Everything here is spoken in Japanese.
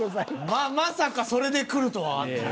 ままさかそれでくるとは。